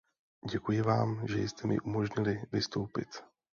Děkuji vám, že jste mi umožnili vystoupit.